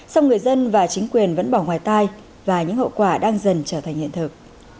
song người dân và chính quyền vẫn bỏ ngoài tai và những hậu quả đang dần trở thành hiện thực